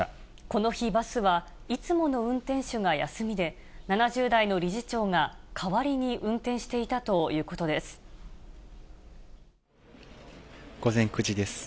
この日、バスはいつもの運転手が休みで、７０代の理事長が代わりに運転し午前９時です。